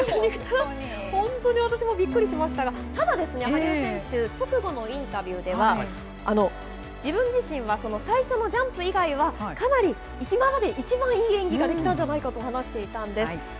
本当に私もびっくりしましたが、ただですね、羽生選手、直後のインタビューでは、自分自身は、最初のジャンプ以外はかなり今まで一番いい演技ができたんじゃないかと話していたんです。